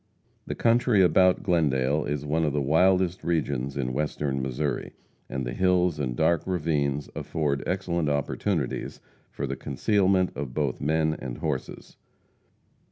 The country about Glendale is one of the wildest regions in Western Missouri, and the hills and dark ravines afford excellent opportunities for the concealment of both men and horses.